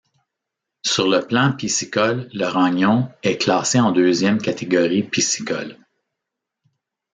Sur le plan piscicole, le Ragnon est classé en deuxième catégorie piscicole.